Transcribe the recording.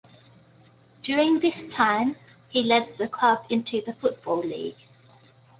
During this time, he led the club into the Football League.